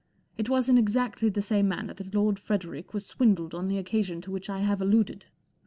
It was in exactly the same manner that Lord Frederick was swindled on the occasion to which I have alluded.